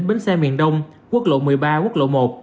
bến xe miền đông quốc lộ một mươi ba quốc lộ một